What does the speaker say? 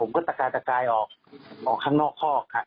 ผมก็ตะกายออกออกข้างนอกคอก